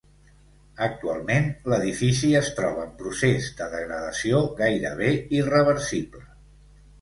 Actualment l'edifici es troba en procés de degradació, gairebé irreversible.